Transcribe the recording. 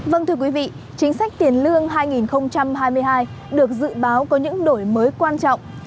vâng thưa quý vị chính sách tiền lương hai nghìn hai mươi hai được dự báo có những đổi mới quan trọng